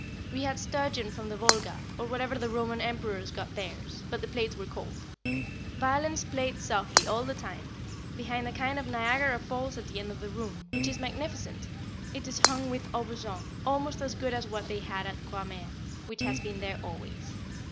We had sturgeon from the Volga, or wherever the Roman emperors got theirs, but the plates were cold. Violins played softly all the time, behind a kind of Niagara Falls at the end of the room, which is magnificent; it is hung with aubusson, almost as good as what they had at Croixmare, which has been there always.